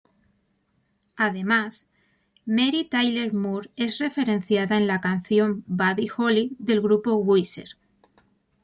Además, Mary Tyler Moore es referenciada en la canción ""Buddy Holly"" del grupo Weezer.